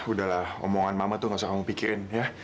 udahlah omongan mama tuh gak usah kamu pikirin ya